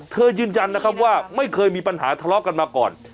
ยืนยันนะครับว่าไม่เคยมีปัญหาทะเลาะกันมาก่อน